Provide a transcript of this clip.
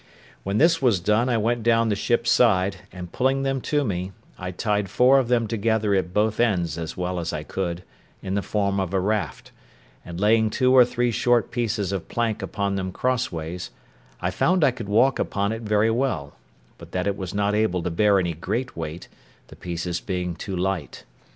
When this was done I went down the ship's side, and pulling them to me, I tied four of them together at both ends as well as I could, in the form of a raft, and laying two or three short pieces of plank upon them crossways, I found I could walk upon it very well, but that it was not able to bear any great weight, the pieces being too light.